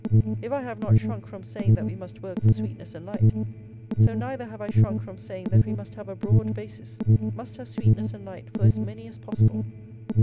If I have not shrunk from saying that we must work for sweetness and light, so neither have I shrunk from saying that we must have a broad basis, must have sweetness and light for as many as possible.